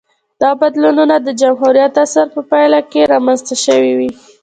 دا بدلونونه د جمهوریت عصر په پایله کې رامنځته شوې وې